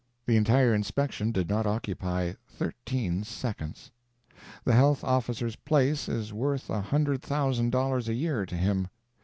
The entire "inspection" did not occupy thirteen seconds. The health officer's place is worth a hundred thousand dollars a year to him.